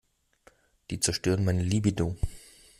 Die zerstören meine Libido.